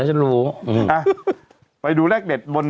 เหล็กเด็ด